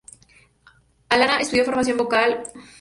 Alana estudió formación vocal con Brett Manning.